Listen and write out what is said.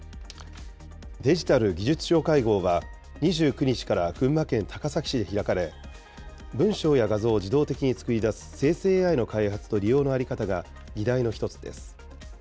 デジタル・技術相会合は、２９日から群馬県高崎市で開かれ、文章や画像を自動的に作り出す生成ＡＩの開発と利用の在り方が議題の一つです。